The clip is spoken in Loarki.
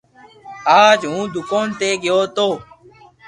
اج ھون دوڪون تو گيو تو